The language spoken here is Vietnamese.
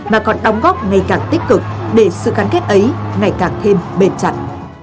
mà còn đóng góc ngày càng tích cực để sự khán kết ấy ngày càng thêm bền chặt